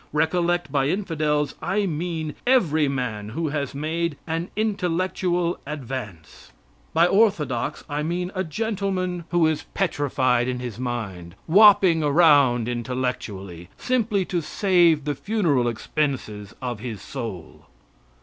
Recollect, by infidels I mean every man who has made an intellectual advance. By orthodox I mean a gentleman who is petrified in his mind, whopping around intellectually, simply to save the funeral expenses of his soul.